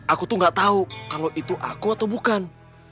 aku tuh gak tahu kalau itu aku atau bukan